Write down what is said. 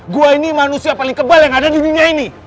gua ini manusia paling kebal yang ada di dunia ini